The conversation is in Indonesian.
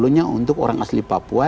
delapan puluh nya untuk orang asli papua